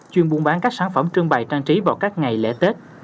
chuyên buôn bán các sản phẩm trưng bày trang trí vào các ngày lễ tết